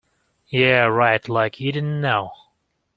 Yeah, right, like you didn't know!